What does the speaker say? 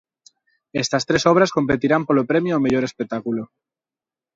Estas tres obras competirán polo premio ao mellor espectáculo.